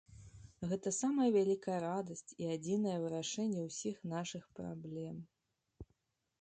Гэта самая вялікая радасць і адзінае вырашэнне ўсіх нашых праблем.